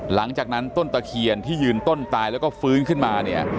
หลังจากนั้นต้นตะเคียนที่ยืนต้นตายแล้วก็ฟื้นขึ้นมาเนี่ย